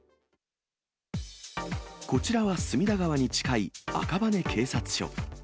こちらは隅田川に近い赤羽警察署。